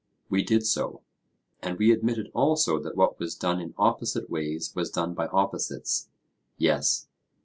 We did so. And we admitted also that what was done in opposite ways was done by opposites? Yes.